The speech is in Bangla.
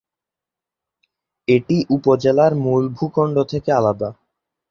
এটি উপজেলার মূল ভূখণ্ড থেকে আলাদা।